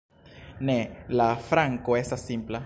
Ne, la afranko estas simpla.